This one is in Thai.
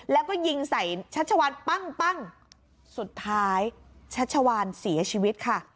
แล้วก็ยิงใส่ชัชวานปั้งปั้งสุดท้ายชัชวานเสียชีวิตค่ะ